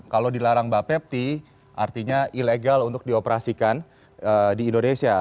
kalau dilarang bapepti artinya ilegal untuk dioperasikan di indonesia